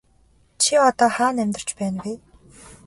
Чи одоо хаана амьдарч байна вэ?